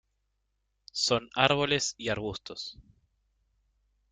Son árboles y arbustos.